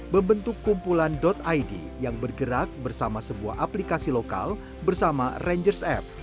membentuk kumpulan id yang bergerak bersama sebuah aplikasi lokal bersama rangers app